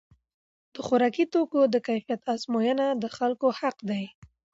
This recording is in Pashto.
د خوراکي توکو د کیفیت ازموینه د خلکو حق دی.